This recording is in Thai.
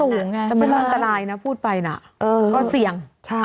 สูงไงแต่ไม่ต้องตรายนะพูดไปน่ะก็เสี่ยง